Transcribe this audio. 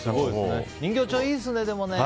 人形町いいですね、でもね。